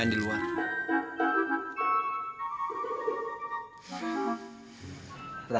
nanti aku mau ke rumah